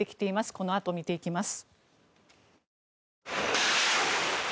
このあと見ていきます。